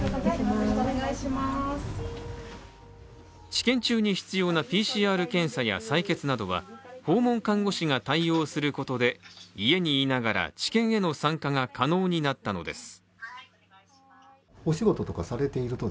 治験中に必要なＰＣＲ検査や採血などは訪問看護師が対応することで、家にいながら治験への参加が可能になったのです。